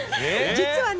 実はね